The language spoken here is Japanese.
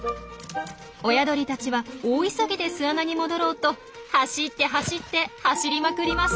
親鳥たちは大急ぎで巣穴に戻ろうと走って走って走りまくります。